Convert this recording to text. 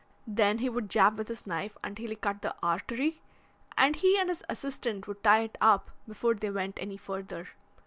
Then he would jab with his knife until he cut the artery, and he and his assistant would tie it up before they went any further.